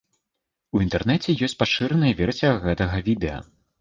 У інтэрнэце ёсць пашыраная версія гэтага відэа.